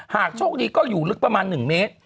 โชคดีก็อยู่ลึกประมาณ๑เมตร